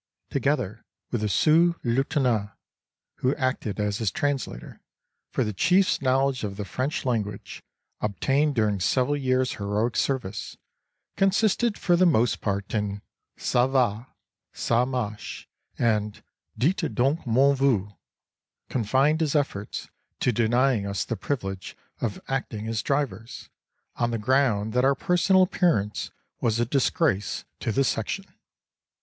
(together with the sous lieutenant who acted as his translator—for the chief's knowledge of the French language, obtained during several years' heroic service, consisted for the most part in "Sar var," "Sar marche," and "Deet donk moan vieux") confined his efforts to denying us the privilege of acting as drivers, on the ground that our personal appearance was a disgrace to the section.